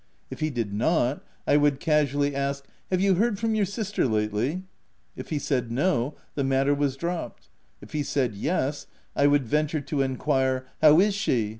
If he did not, I would casually ask* " Have you heard from your sister lately V y If he said, "No," the matter was dropped : if he said " Yes," I would venture to enquire, " How is she?"